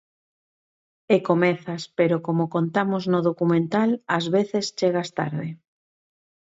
E comezas pero, como contamos no documental, ás veces chegas tarde.